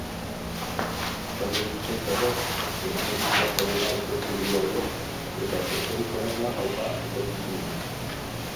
Talde bizkaitarrak hemen egindako lana eskertu gura dio eta zorterik onena opa etorkizunean.